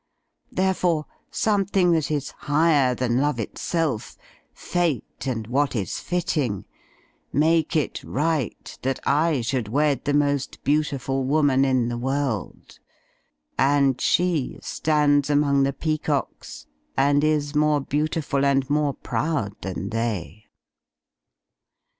Therefore, something that is higher than love itself, Fate and what is fitting, make it right that I should wed the most beautiful woman in the world. And she stands among the peacocks and is more beautiful and more proud than they."